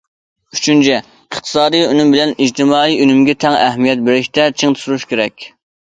ئۈچىنچى، ئىقتىسادىي ئۈنۈم بىلەن ئىجتىمائىي ئۈنۈمگە تەڭ ئەھمىيەت بېرىشتە چىڭ تۇرۇش كېرەك.